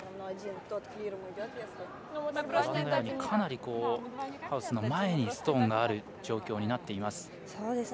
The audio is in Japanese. かなりハウスの前にストーンがある状況になっています。